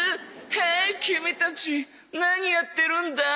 「ヘーイ君たち何やってるんだい？